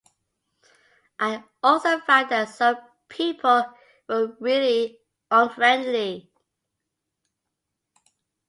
I also found that some people were really unfriendly.